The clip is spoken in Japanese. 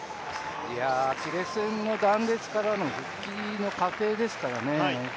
アキレスけん断裂からの復帰の過程ですからね。